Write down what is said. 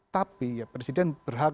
tapi ya presiden berhak